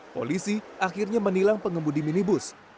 polisi akhirnya menilang pengemudi minibus